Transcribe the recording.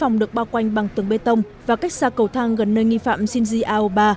máy chủ được bảo vệ qua quanh bằng tường bê tông và cách xa cầu thang gần nơi nghi phạm shinji aoba